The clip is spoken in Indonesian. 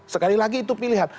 sekali lagi itu pilihan